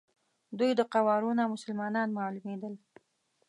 دوی د قوارو نه مسلمانان معلومېدل.